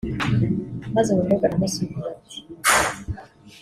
maze umukobwa aramusubiza ati